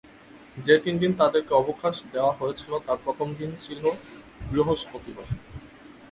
যে তিনদিন তাদেরকে অবকাশ দেয়া হয়েছিল তার প্রথমদিন ছিল বৃহস্পতিবার।